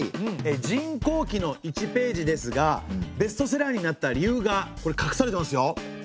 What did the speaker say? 「塵劫記」の１ページですがベストセラーになった理由がかくされてますよ。